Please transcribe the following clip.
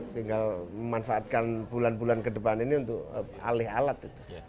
tinggal memanfaatkan bulan bulan kedepan ini untuk alih alat